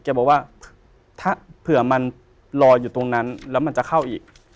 บอกว่าถ้าเผื่อมันลอยอยู่ตรงนั้นแล้วมันจะเข้าอีก